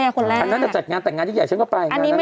อันนั้นจะจัดงานแต่งงานยิ่งใหญ่ฉันก็ไป